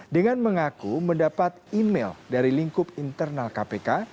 dengan mengaku mendapat email dari lingkup internal kpk